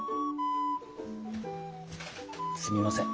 すみません。